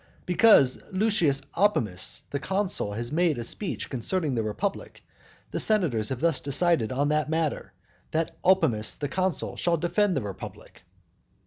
"Because Lucius Opimius the consul has made a speech concerning the republic, the senators have thus decided on that matter, that Opimius the consul shall defend the republic."